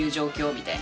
みたいな。